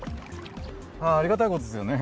ありがたいことですよね。